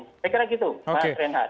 saya kira gitu pak renhad